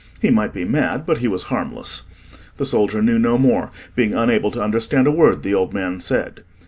He might be mad, but he was harmless. The soldier knew no more, being unable to understand a word the old man said.